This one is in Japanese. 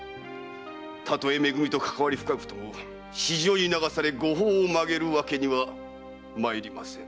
たとえめ組とかかわり深くとも私情に流され御法を曲げるわけにはまいりませぬ。